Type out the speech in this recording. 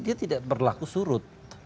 dia tidak berlaku surut